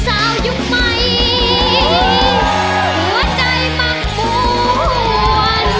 หัวใจบังบวน